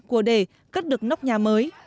của đề cất được nóc nhà mới